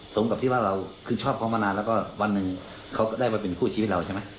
กับที่ว่าเราคือชอบเขามานานแล้วก็วันหนึ่งเขาได้มาเป็นคู่ชีวิตเราใช่ไหม